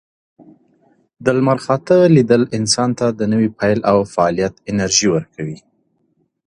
د لمر خاته لیدل انسان ته د نوي پیل او فعالیت انرژي ورکوي.